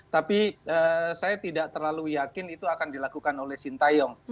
tapi saya tidak terlalu yakin itu akan dilakukan oleh sintayong